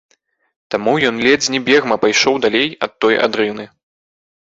Таму ён ледзь не бегма пайшоў далей ад той адрыны.